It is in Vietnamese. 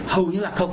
hầu như là không